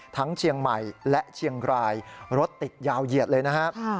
เชียงใหม่และเชียงรายรถติดยาวเหยียดเลยนะครับ